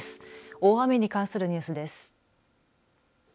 大雨に関するニュースです。